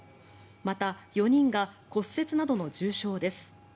また、４人が骨折などの重傷です。